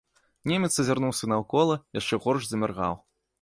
Немец азірнуўся наўкола, яшчэ горш заміргаў.